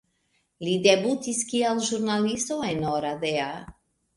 Li debutis kiel ĵurnalisto en Oradea.